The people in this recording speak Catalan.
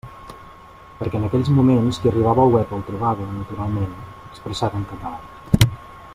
Perquè en aquells moments qui arribava al web el trobava, naturalment, expressat en català.